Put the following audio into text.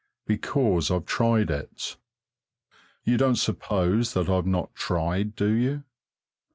Because I've tried it. You don't suppose that I've not tried, do you?